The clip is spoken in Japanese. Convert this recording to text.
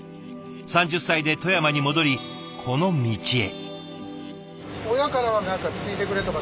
３０歳で富山に戻りこの道へ。